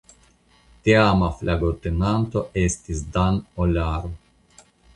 Teama flagotenanto estis "Dan Olaru".